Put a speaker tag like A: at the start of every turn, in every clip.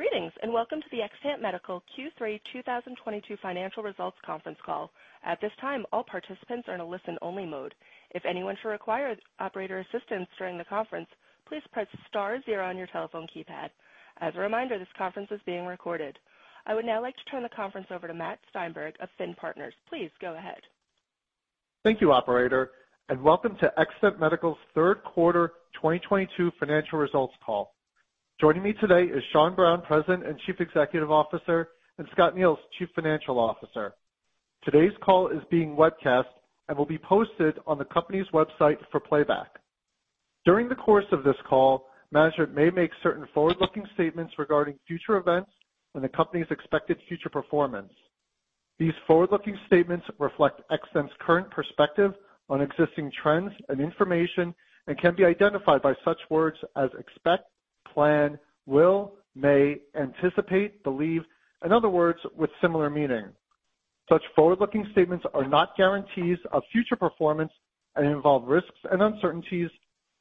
A: Greetings, and welcome to the Xtant Medical Q3 2022 Financial Results Conference Call. At this time, all participants are in a listen-only mode. If anyone should require operator assistance during the conference, please press star zero on your telephone keypad. As a reminder, this conference is being recorded. I would now like to turn the conference over to Matt Steinberg of Finn Partners. Please go ahead.
B: Thank you, operator, and welcome to Xtant Medical's third quarter 2022 financial results call. Joining me today is Sean Browne, President and Chief Executive Officer, and Scott Neils, Chief Financial Officer. Today's call is being webcast and will be posted on the company's website for playback. During the course of this call, management may make certain forward-looking statements regarding future events and the company's expected future performance. These forward-looking statements reflect XTNT current perspective on existing trends and information and can be identified by such words as expect, plan, will, may, anticipate, believe, and other words with similar meaning. Such forward-looking statements are not guarantees of future performance and involve risks and uncertainties,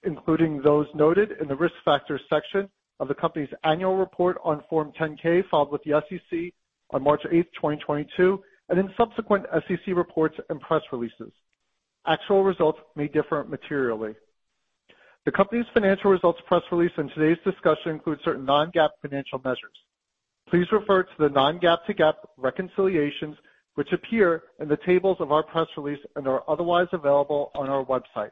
B: including those noted in the Risk Factors section of the company's annual report on Form 10-K filed with the SEC on March eighth, 2022, and in subsequent SEC reports and press releases. Actual results may differ materially. The company's financial results press release in today's discussion include certain non-GAAP financial measures. Please refer to the non-GAAP to GAAP reconciliations, which appear in the tables of our press release and are otherwise available on our website.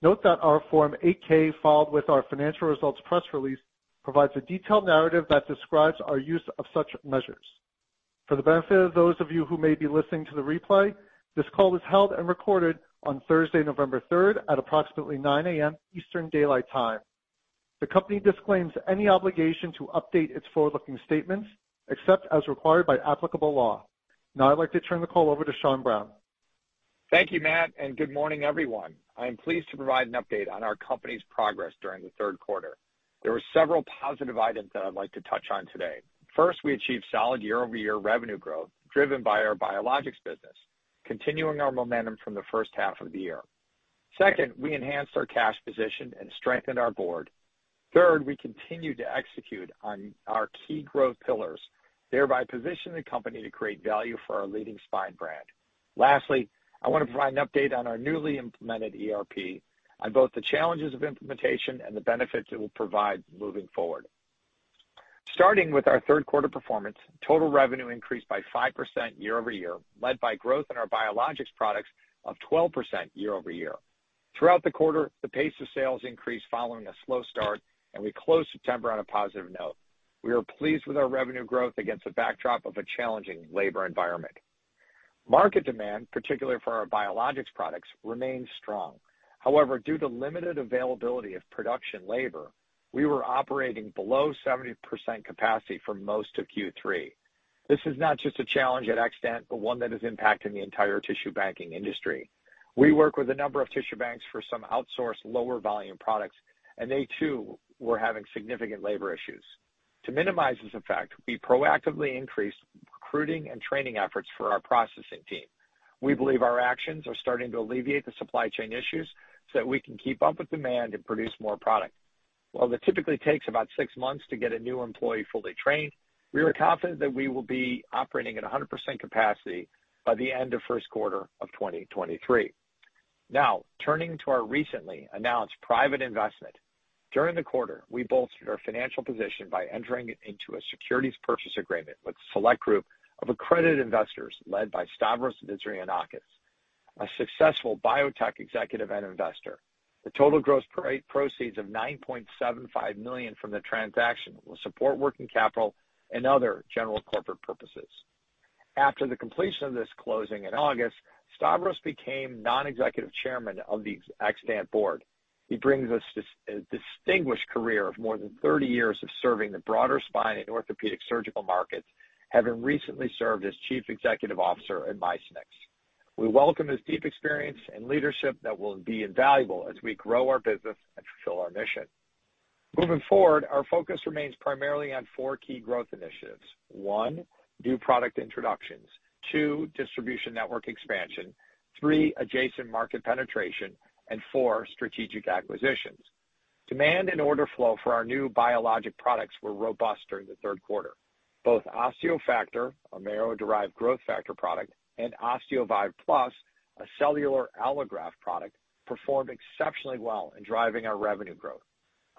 B: Note that our Form 8-K filed with our financial results press release provides a detailed narrative that describes our use of such measures. For the benefit of those of you who may be listening to the replay, this call is held and recorded on Thursday, November third, at approximately 9:00 A.M. Eastern Daylight Time. The company disclaims any obligation to update its forward-looking statements except as required by applicable law. Now I'd like to turn the call over to Sean Browne.
C: Thank you, Matt, and good morning, everyone. I am pleased to provide an update on our company's progress during the third quarter. There were several positive items that I'd like to touch on today. First, we achieved solid year-over-year revenue growth driven by our biologics business, continuing our momentum from the H1 of the year. Second, we enhanced our cash position and strengthened our board. Third, we continued to execute on our key growth pillars, thereby positioning the company to create value for our leading spine brand. Lastly, I want to provide an update on our newly implemented ERP on both the challenges of implementation and the benefits it will provide moving forward. Starting with our third quarter performance, total revenue increased by 5% year-over-year, led by growth in our biologics products of 12% year-over-year. Throughout the quarter, the pace of sales increased following a slow start, and we closed September on a positive note. We are pleased with our revenue growth against the backdrop of a challenging labor environment. Market demand, particularly for our biologics products, remains strong. However, due to limited availability of production labor, we were operating below 70% capacity for most of Q3. This is not just a challenge at Xtant, but one that is impacting the entire tissue banking industry. We work with a number of tissue banks for some outsourced lower volume products, and they, too, were having significant labor issues. To minimize this effect, we proactively increased recruiting and training efforts for our processing team. We believe our actions are starting to alleviate the supply chain issues so that we can keep up with demand and produce more product. While it typically takes about six months to get a new employee fully trained, we are confident that we will be operating at 100% capacity by the end of first quarter of 2023. Now, turning to our recently announced private investment. During the quarter, we bolstered our financial position by entering into a securities purchase agreement with select group of accredited investors led by Stavros Vizirgianakis, a successful biotech executive and investor. The total gross proceeds of $9.75 million from the transaction will support working capital and other general corporate purposes. After the completion of this closing in August, Stavros became Non-Executive Chairman of the XTNT board. He brings us a distinguished career of more than 30 years of serving the broader spine and orthopedic surgical markets, having recently served as Chief Executive Officer at MiMedx. We welcome his deep experience and leadership that will be invaluable as we grow our business and fulfill our mission. Moving forward, our focus remains primarily on four key growth initiatives. one, new product introductions. two, distribution network expansion. three, adjacent market penetration. four, strategic acquisitions. Demand and order flow for our new biologic products were robust during the third quarter. Both OsteoFactor, our marrow-derived growth factor product, and OsteoVive Plus, a cellular allograft product, performed exceptionally well in driving our revenue growth.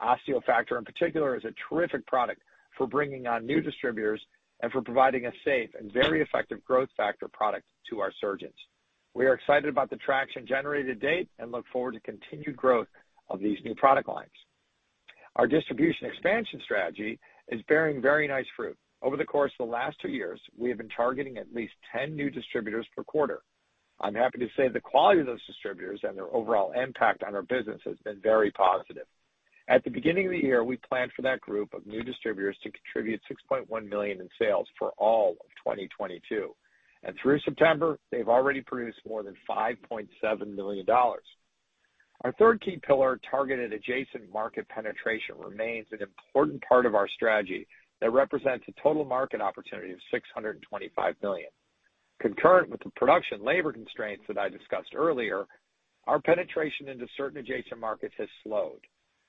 C: OsteoFactor, in particular, is a terrific product for bringing on new distributors and for providing a safe and very effective growth factor product to our surgeons. We are excited about the traction generated to date and look forward to continued growth of these new product lines. Our distribution expansion strategy is bearing very nice fruit. Over the course of the last two years, we have been targeting at least 10 new distributors per quarter. I'm happy to say the quality of those distributors and their overall impact on our business has been very positive. At the beginning of the year, we planned for that group of new distributors to contribute $6.1 million in sales for all of 2022, and through September, they've already produced more than $5.7 million. Our third key pillar, targeted adjacent market penetration, remains an important part of our strategy that represents a total market opportunity of $625 million. Concurrent with the production labor constraints that I discussed earlier, our penetration into certain adjacent markets has slowed.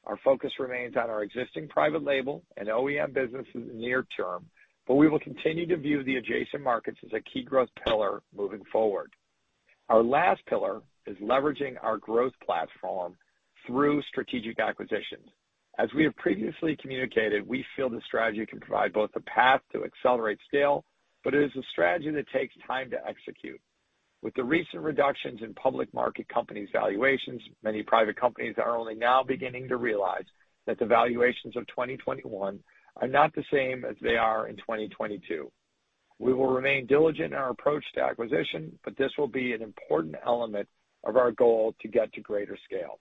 C: Our focus remains on our existing private label and OEM businesses near term, but we will continue to view the adjacent markets as a key growth pillar moving forward. Our last pillar is leveraging our growth platform through strategic acquisitions. As we have previously communicated, we feel the strategy can provide both a path to accelerate scale, but it is a strategy that takes time to execute. With the recent reductions in public market companies valuations, many private companies are only now beginning to realize that the valuations of 2021 are not the same as they are in 2022. We will remain diligent in our approach to acquisition, but this will be an important element of our goal to get to greater scale.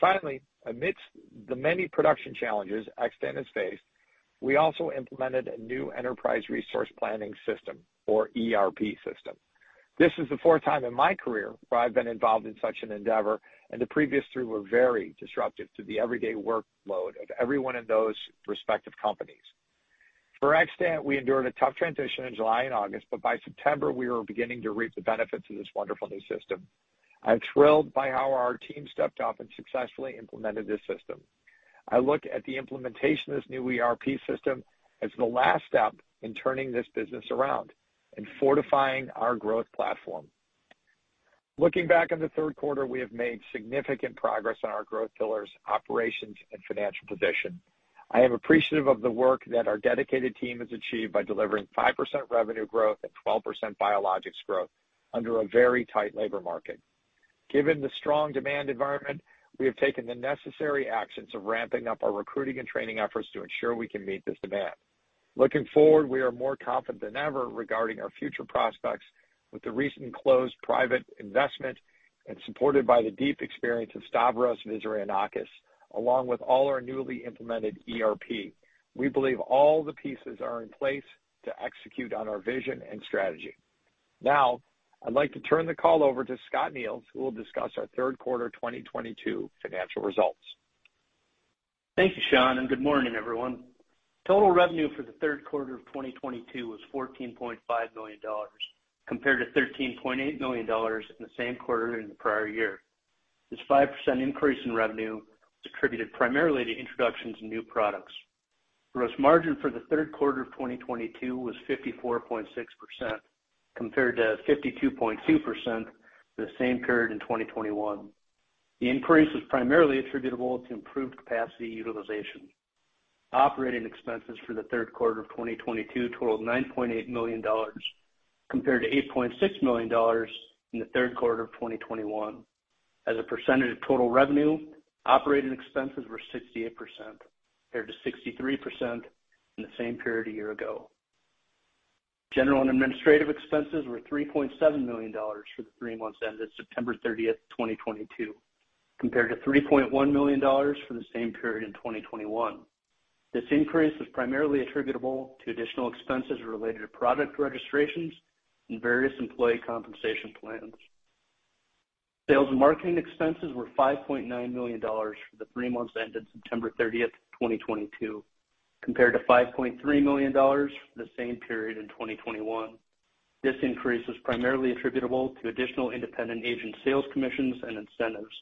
C: Finally, amidst the many production challenges XTNT has faced, we also implemented a new enterprise resource planning system, or ERP system. This is the fourth time in my career where I've been involved in such an endeavor, and the previous three were very disruptive to the everyday workload of everyone in those respective companies. For XTNT, we endured a tough transition in July and August, but by September, we were beginning to reap the benefits of this wonderful new system. I'm thrilled by how our team stepped up and successfully implemented this system. I look at the implementation of this new ERP system as the last step in turning this business around and fortifying our growth platform. Looking back on the third quarter, we have made significant progress on our growth pillars, operations and financial position. I am appreciative of the work that our dedicated team has achieved by delivering 5% revenue growth and 12% biologics growth under a very tight labor market. Given the strong demand environment, we have taken the necessary actions of ramping up our recruiting and training efforts to ensure we can meet this demand. Looking forward, we are more confident than ever regarding our future prospects. With the recent closed private investment and supported by the deep experience of Stavros Vizirgianakis, along with all our newly implemented ERP, we believe all the pieces are in place to execute on our vision and strategy. Now, I'd like to turn the call over to Scott Neils, who will discuss our third quarter 2022 financial results.
D: Thank you, Sean, and good morning, everyone. Total revenue for the third quarter of 2022 was $14.5 million compared to $13.8 million in the same quarter in the prior year. This 5% increase in revenue was attributed primarily to introductions of new products. Gross margin for the third quarter of 2022 was 54.6%, compared to 52.2% the same period in 2021. The increase was primarily attributable to improved capacity utilization. Operating expenses for the third quarter of 2022 totaled $9.8 million, compared to $8.6 million in the third quarter of 2021. As a percentage of total revenue, operating expenses were 68% compared to 63% in the same period a year ago. General and administrative expenses were $3.7 million for the three months ended September thirtieth, 2022, compared to $3.1 million for the same period in 2021. This increase was primarily attributable to additional expenses related to product registrations and various employee compensation plans. Sales and marketing expenses were $5.9 million for the three months ended September thirtieth, 2022, compared to $5.3 million for the same period in 2021. This increase was primarily attributable to additional independent agent sales commissions and incentives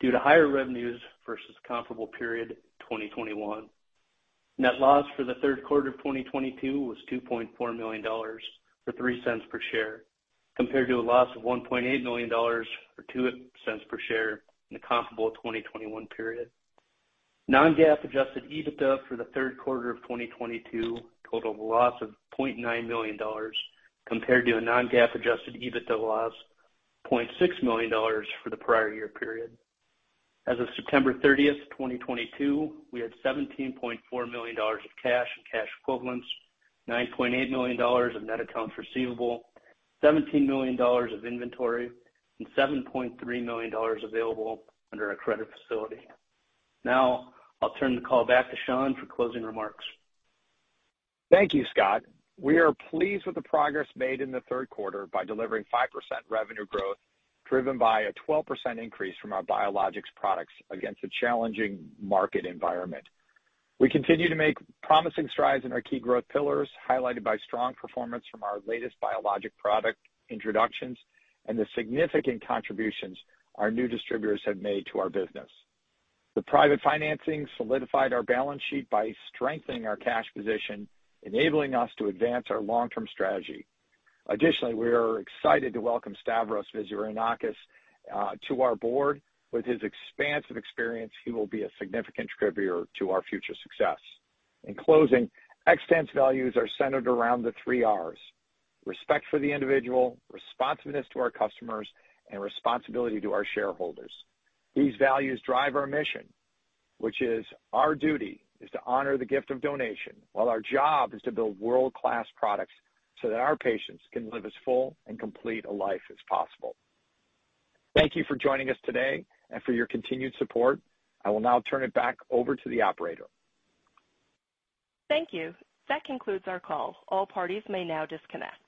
D: due to higher revenues versus comparable period 2021. Net loss for the third quarter of 2022 was $2.4 million, or $0.03 per share, compared to a loss of $1.8 million or $0.02 per share in the comparable 2021 period. non-GAAP adjusted EBITDA for the third quarter of 2022 totaled a loss of $0.9 million, compared to a non-GAAP adjusted EBITDA loss of $0.6 million for the prior year period. As of September thirtieth, 2022, we had $17.4 million of cash and cash equivalents, $9.8 million of net accounts receivable, $17 million of inventory, and $7.3 million available under our credit facility. Now I'll turn the call back to Sean for closing remarks.
C: Thank you, Scott. We are pleased with the progress made in the third quarter by delivering 5% revenue growth, driven by a 12% increase from our biologics products against a challenging market environment. We continue to make promising strides in our key growth pillars, highlighted by strong performance from our latest biologic product introductions and the significant contributions our new distributors have made to our business. The private financing solidified our balance sheet by strengthening our cash position, enabling us to advance our long-term strategy. Additionally, we are excited to welcome Stavros Vizirgianakis to our board. With his expansive experience, he will be a significant contributor to our future success. In closing, XTNT values are centered around the three Rs, respect for the individual, responsiveness to our customers, and responsibility to our shareholders. These values drive our mission, which is our duty to honor the gift of donation, while our job is to build world-class products so that our patients can live as full and complete a life as possible. Thank you for joining us today and for your continued support. I will now turn it back over to the operator.
A: Thank you. That concludes our call. All parties may now disconnect.